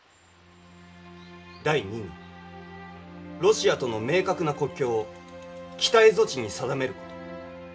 第二にロシアとの明確な国境を北蝦夷地に定めること。